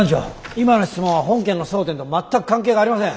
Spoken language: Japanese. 今の質問は本件の争点と全く関係がありません。